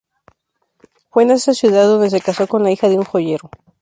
Fue en esa ciudad donde se casó con la hija de un joyero.